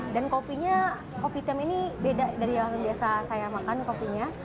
dan kopinya kopi tim ini beda dari yang biasa saya makan kopinya